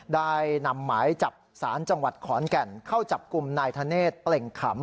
ได้นำหมายจับสารจังหวัดขอนแก่นเข้าจับกลุ่มนายธเนธเปล่งขำ